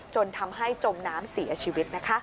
จนทำให้จมน้ำเสียชีวิต